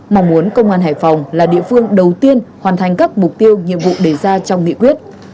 mong muốn công an hải phòng là địa phương đầu tiên hoàn thành các mục tiêu nhiệm vụ đề ra trong nghị quyết